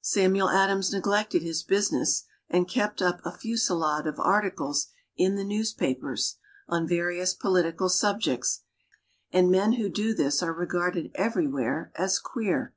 Samuel Adams neglected his business and kept up a fusillade of articles in the newspapers, on various political subjects, and men who do this are regarded everywhere as "queer."